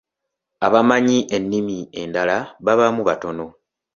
Abamanyi ennimi endala babaamu batono.